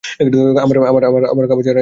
আমার কাপড় ছাড়া হয় নি এখনও।